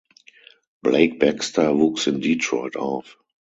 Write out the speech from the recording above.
Blake Baxter wuchs in Detroit auf.